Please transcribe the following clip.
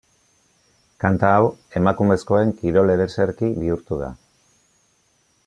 Kanta hau emakumezkoen kirol-ereserki bihurtu da.